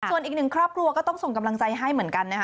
ส่วนอีกหนึ่งครอบครัวก็ต้องส่งกำลังใจให้เหมือนกันนะคะ